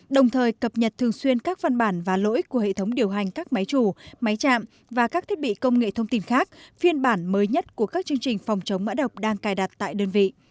đồng thời cập nhật thường xuyên các văn bản và lỗi của hệ thống điều hành các máy chủ máy chạm và các thiết bị công nghệ thông tin khác phiên bản mới nhất của các chương trình phòng chống mã độc đang cài đặt tại đơn vị